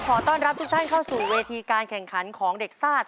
ขอต้อนรับทุกท่านเข้าสู่เวทีการแข่งขันของเด็กซ่า